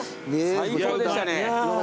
最高でしたね。